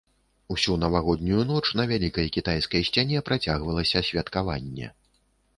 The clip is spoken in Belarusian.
Усю навагоднюю ноч на вялікай кітайскай сцяне працягвалася святкаванне.